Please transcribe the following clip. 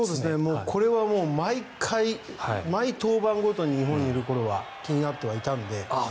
これはもう毎回毎登板ごとに日本にいる頃は気になってはいたので。